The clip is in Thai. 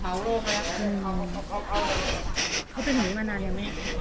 เห็นแม่เป็นคนแผงไปเหรอ